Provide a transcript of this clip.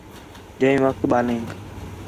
جئے وخت ٻالینک